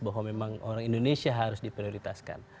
bahwa memang orang indonesia harus diprioritaskan